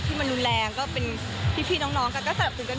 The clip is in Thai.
ถึงไปนานแล้วก็ไม่เคยของเงินใครไม่เคยได้เงินใครฟรีอะไรอย่างเงี้ยค่ะ